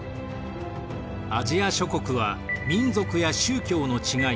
アジア諸国は民族や宗教の違い